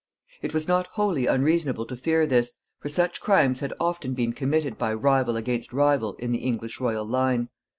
It was not wholly unreasonable to fear this, for such crimes had often been committed by rival against rival in the English royal line.